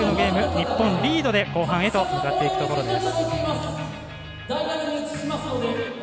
日本リードで後半へと向かっていくところです。